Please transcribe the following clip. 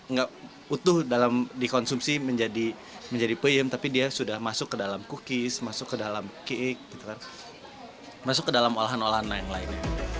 nggak utuh dalam dikonsumsi menjadi peyem tapi dia sudah masuk ke dalam cookies masuk ke dalam kick masuk ke dalam olahan olahan yang lainnya